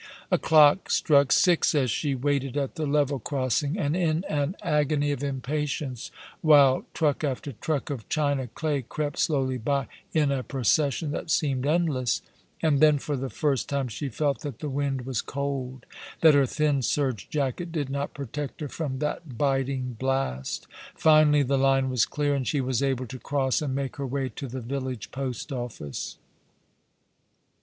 A clock struck six as she 184 All along the River. waited at the level crossing, in an agony of impatience, while truck after truck of china clay crept slov/ly by, in a procession that seemed endless; and then for the first time she felt that the wind was cold, and that her thin serge jacket did not protect her from that biting blast. Finally the line was clear, and she was able to cross and make her way to the village post office.